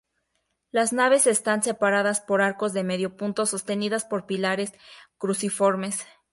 Las naves están separadas por arcos de medio punto sostenidas por pilares cruciformes.